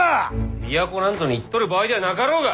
都なんぞに行っとる場合ではなかろうが！